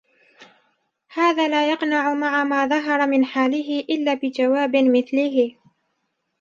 هَذَا لَا يَقْنَعُ مَعَ مَا ظَهَرَ مِنْ حَالِهِ إلَّا بِجَوَابٍ مِثْلِهِ